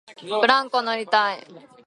ブランコ乗りたい